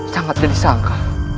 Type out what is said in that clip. sangat jadi sangka